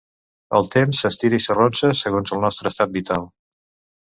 El temps s'estira i s'arronsa segons el nostre estat vital.